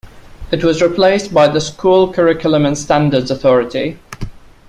It was replaced by the School Curriculum and Standards Authority.